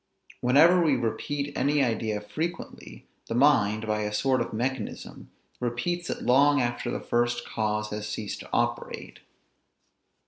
Whenever we repeat any idea frequently, the mind, by a sort of mechanism, repeats it long after the first cause has ceased to operate.